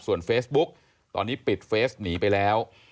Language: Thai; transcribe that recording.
ส่วนเฟซบุ๊กตอนนี้ปิดเฟสหนีไปแล้ว